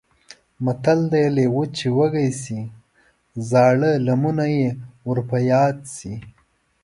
متل دی: لېوه چې وږی شي زاړه لمونه یې ور په یاد شي.